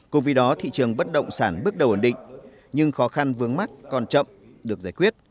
cùng vì đó thị trường bất động sản bước đầu ẩn định nhưng khó khăn vướng mắt còn chậm được giải quyết